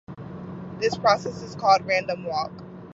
This process is called random walk.